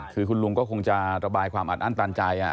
คือคุณลุงก็คงจะระบายความอัดอั้นตันใจ